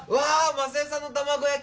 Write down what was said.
昌代さんの卵焼き。